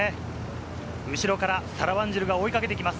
後ろからサラ・ワンジルが追いかけてきます。